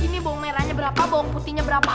ini bawang merahnya berapa bawang putihnya berapa